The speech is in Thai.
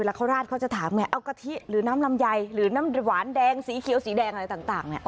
แล้วเขาราดเขาจะถามไงเอากะทิหรือน้ำลำไยหรือน้ำหวานแดงสีเขียวสีแดงอะไรต่างเนี่ย